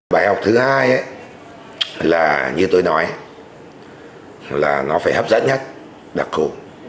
bài học thứ hai là như tôi nói là nó phải hấp dẫn nhất đặc thù